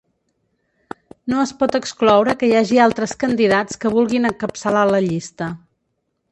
No es pot excloure que hi hagi altres candidats que vulguin encapçalar la llista.